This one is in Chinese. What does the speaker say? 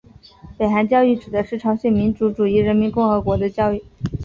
北韩教育指的是朝鲜民主主义人民共和国的教育。